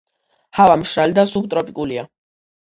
ჰავა მშრალი და სუბტროპიკულია.